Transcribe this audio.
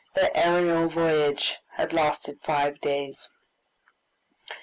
Their aerial voyage had lasted five days.